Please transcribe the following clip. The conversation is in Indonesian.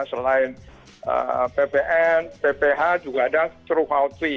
selain ppn pph juga ada true health fee